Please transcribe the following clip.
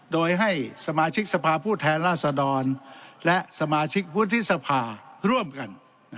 โดยให้สมาชิกสภาพผู้แทนราษดรและสมาชิกวุฒิสภาร่วมกัน